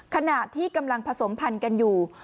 ขณะที่กำลังผสมพันธุ์กันอยู่